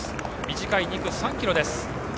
短い２区３ｋｍです。